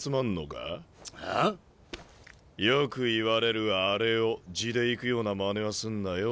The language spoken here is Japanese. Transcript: よく言われるアレを地でいくようなまねはすんなよ